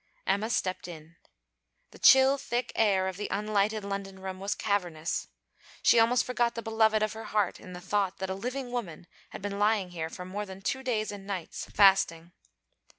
Emma stepped in. The chill thick air of the unlighted London room was cavernous. She almost forgot the beloved of her heart in the thought that a living woman had been lying here more than two days and nights, fasting.